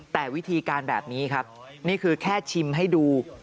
แต่วิธีการแบบนี้ครับนี่คือแค่ชิมให้ดู